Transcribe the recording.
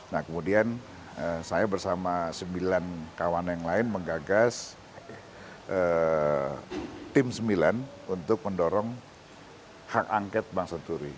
nah kemudian saya bersama sembilan kawan yang lain menggagas tim sembilan untuk mendorong hak angket bang senturi